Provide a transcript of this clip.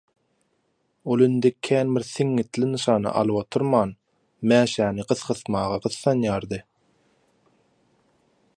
Ol indi känbir siňňitli nyşana alyp oturman mäşäni gysgysmaga gyssanýardy.